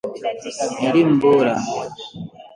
elimu bora